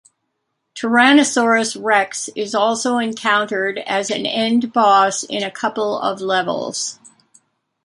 "Tyrannosaurus rex" is also encountered as an end boss in a couple of levels.